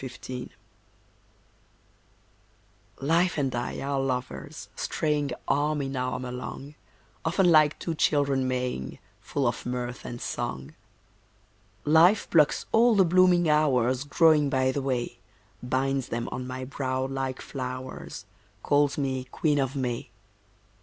LIFE AND I Life and I are lovers, straying Arm in arm along: Often like two children Maying, Full of mirth and song, Life plucks all the blooming hours Growing by the way; Binds them on my brow like flowers, Calls me Queen of May.